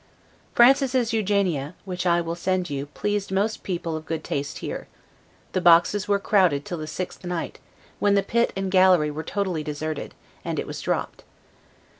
Francis's "Eugenia," which I will send you, pleased most people of good taste here; the boxes were crowded till the sixth night, when the pit and gallery were totally deserted, and it was dropped.